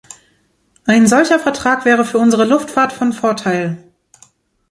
Ein solcher Vertrag wäre für unsere Luftfahrt von Vorteil.